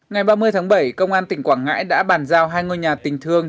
ngày ba mươi tháng bảy công an tỉnh quảng ngãi đã bàn giao hai ngôi nhà tình thương